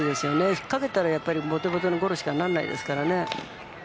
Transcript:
引っかけたらボテボテのゴロにしかならないですから。